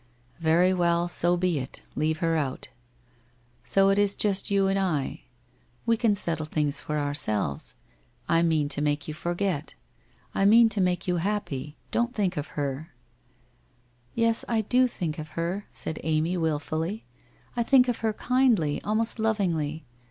Very well, so be it, leave her out. So it is just you and I. We can settle things for ourselves. I mean to make you forget. I mean to make you happy. Don't think of her/ ' Yes, I do think of her,' said Amy wilfully. * I think of her kindly, almost lovingly.